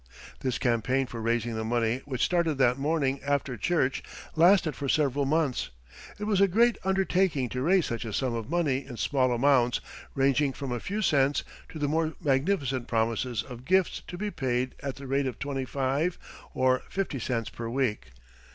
This campaign for raising the money which started that morning after church, lasted for several months. It was a great undertaking to raise such a sum of money in small amounts ranging from a few cents to the more magnificent promises of gifts to be paid at the rate of twenty five or fifty cents per week.